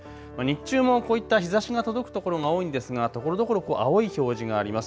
日中もこういった日ざしが届く所が多いですがところどころ青い表示があります。